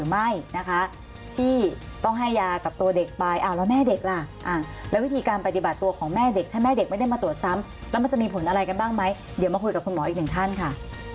มันจะมีผลอะไรกันบ้างไหมเดี๋ยวมาคุยกับคุณหมออีกน่านค่ะ